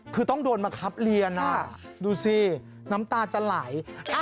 คือต้องโดนมาครับเรียนดูสิน้ำตาจะไหล